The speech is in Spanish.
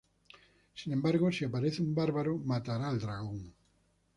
Sin embargo, si aparece un bárbaro, matará al dragón.